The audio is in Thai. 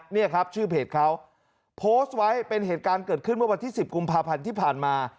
นี่ครับชื่อเพจเขาโพสต์ไว้เป็นเหตุการณ์เกิดขึ้นเมื่อวันที่๑๐กุมภาพันธ์ที่ผ่านมา